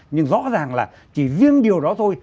nhưng rõ ràng là chỉ riêng điều đó thôi